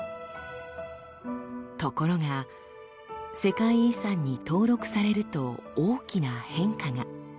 ところが世界遺産に登録されると大きな変化が。